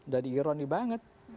jadi ironi banget